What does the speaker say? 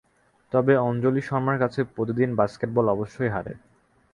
তবে অঞ্জলির শর্মার কাছে প্রতিদিন বাস্কেটবল অবশ্যই হারে।